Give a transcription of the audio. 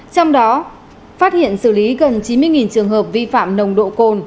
trong đó phát hiện xử lý gần chín mươi trường hợp vi phạm nồng độ cồn